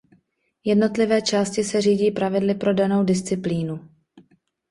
Jednotlivé části se řídí pravidly pro danou disciplínu.